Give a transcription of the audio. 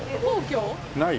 ない？